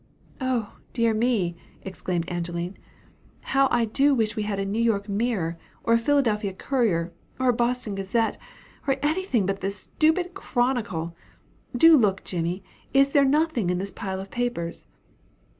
"Oh, dear me," exclaimed Angeline, "how I do wish we had a New York Mirror, or a Philadelphia Courier, or a Boston Gazette, or anything but this stupid Chronicle! Do look, Jimmy! is there nothing in this pile of papers?"